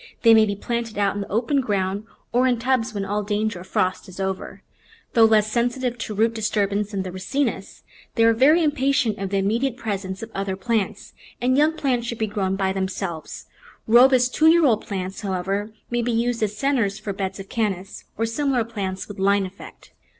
They may be planted out in the open ground or in tubs when all danger of frost is over. Though less sensitive to root disturbance than the Ricinus, they are very impatient of the immediate presence of other plants, and young plants should be grown by themselves. Robust two year old plants, however, may be used as centres for beds of Cannas or similar plants with line effect.